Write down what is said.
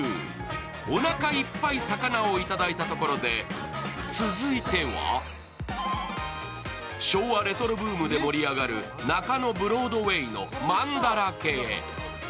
おなかいっぱい魚をいただいたところで続いては昭和レトロブームで盛り上がる中野ブロードウェイのまんだらけへ。